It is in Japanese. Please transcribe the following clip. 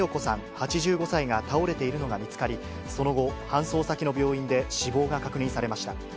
８５歳が倒れているのが見つかり、その後、搬送先の病院で死亡が確認されました。